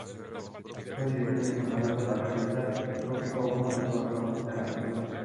Fue director y fundador de la Revista "Trópico Uno" de Puerto La Cruz.